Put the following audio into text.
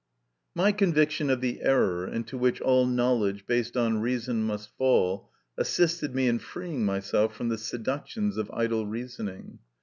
My conviction of the error into which all knowledge based on reason must fall assisted me in freeing myself from the seductions of idle reasoning.